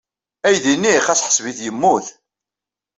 Aydi-nni ɣas ḥṣeb-it yemmut.